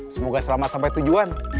semoga selamat sampai tujuan